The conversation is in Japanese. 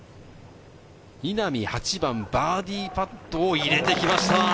稲見、８番はバーディーパットを入れてきました。